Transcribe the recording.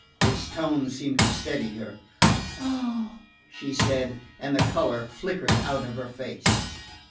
His tone seemed to steady her. "Oh," she said, and the colour flickered out of her face.